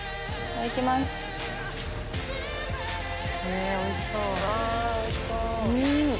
あおいしそう。